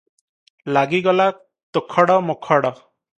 ଲାଗିଗଲା ତୋଖଡ଼ ମୋଖଡ଼ ।